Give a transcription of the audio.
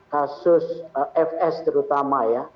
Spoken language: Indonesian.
kasus fs terutama ya